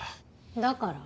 だから？